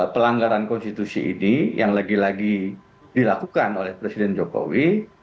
pelanggaran konstitusi ini yang lagi lagi dilakukan oleh presiden jokowi